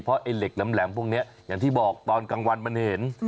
เพราะไอ้เหล็กแหลมพวกนี้อย่างที่บอกตอนกลางวันมันเห็น